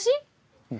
うん。